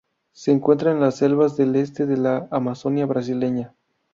Se encuentra en las selvas del este de la Amazonía brasileña.